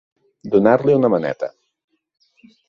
Donar-li una maneta.